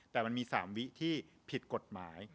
แต่มันมี๓วิที่ผิดกฎหมาย